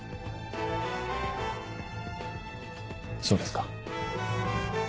そうですか。